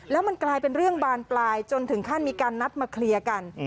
แล้วมันกลายเป็นเรื่องบานปลายจนถึงขั้นมีการนัดมาเคลียร์กัน